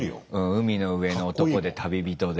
海の上の男で旅人で。